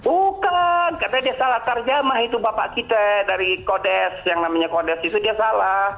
bukan karena dia salah tarjamah itu bapak kita dari kodes yang namanya kodes itu dia salah